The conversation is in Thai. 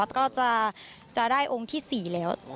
แล้วก็จะได้องค์ที่๔แล้ว